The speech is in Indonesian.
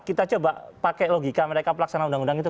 kita coba pakai logika mereka pelaksanaan undang undang itu